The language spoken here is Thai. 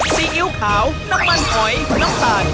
ซีอิ๊วขาวน้ำมันหอยน้ำตาล